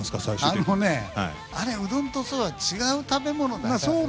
あのね、うどんとそばは違う食べ物だよ。